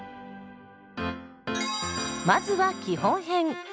まずは基本編。